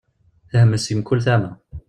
Tehmel seg mkul tama.